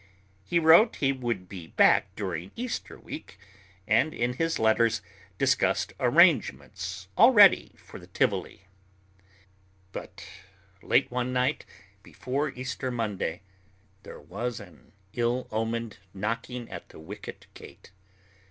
He wrote he would be back during Easter Week, and in his letters discussed arrangements already for the Tivoli. But late one night, before Easter Monday, there was an ill omened knocking at the wicket gate.